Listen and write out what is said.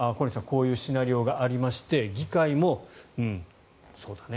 こういうシナリオがありまして議会も、うん、